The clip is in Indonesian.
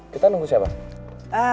kita nunggu siapa